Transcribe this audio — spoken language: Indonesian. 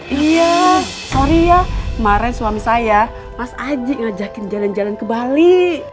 iya sorry ya kemarin suami saya mas aji ngajakin jalan jalan ke bali